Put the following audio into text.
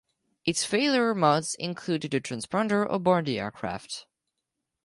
Its failure modes include the transponder aboard the aircraft.